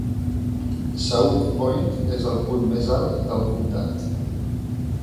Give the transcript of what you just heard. Sauk Point és el punt més alt del comtat.